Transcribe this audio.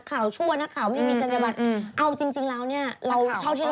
แล้วก็ไม่ใส่ใจอย่างนี้แบบนี้